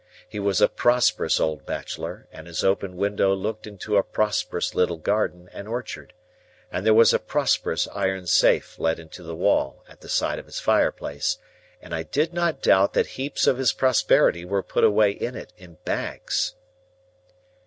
He was a prosperous old bachelor, and his open window looked into a prosperous little garden and orchard, and there was a prosperous iron safe let into the wall at the side of his fireplace, and I did not doubt that heaps of his prosperity were put away in it in bags.